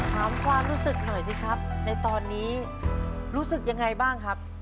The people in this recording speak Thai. ความรู้สึกหน่อยสิครับในตอนนี้รู้สึกยังไงบ้างครับ